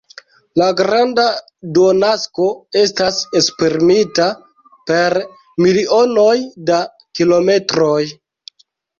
La granda duonakso estas esprimita per milionoj da kilometroj.